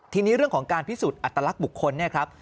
ทีนี้เรื่องของการพิสูจน์อัตลักษณ์บุคคลเนี่ยครับ